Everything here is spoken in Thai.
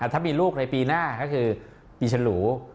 ถ้ามีลูกในปีหน้าก็คือปีฉลู